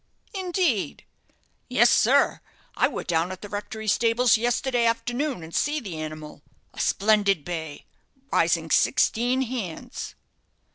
"Indeed!" "Yes, sir; I war down at the rectory stables yesterday arternoon, and see the animal a splendid bay, rising sixteen hands."